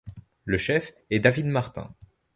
Le chef est David Martin.